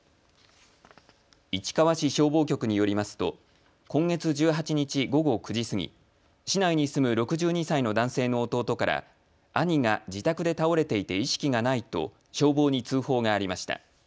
市川市消防局によりますと今月１８日午後９時過ぎ、市内に住む６２歳の男性の弟から兄が自宅で倒れていて意識がないと消防に通報がありました。